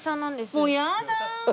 もうやだ！